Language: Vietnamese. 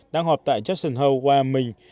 đang họp tại jackson hole wyoming